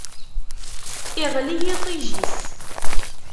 Iɣli yiṭij-is.